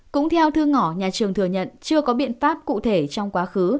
cũng theo thư ngỏ nhà trường thừa nhận chưa có biện pháp cụ thể trong quá khứ